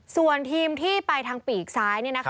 ส่วนทีมที่ไปทางปีกซ้าย